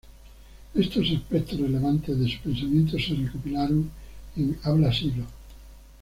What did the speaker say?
Estos aspectos relevantes de su pensamiento se recopilaron en "Habla Silo".